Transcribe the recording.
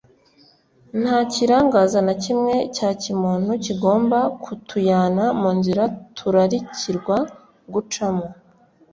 Nta kirangaza na kimwe cya kimuntu kigomba kutuyana mu nzira turarikirwa gucamo.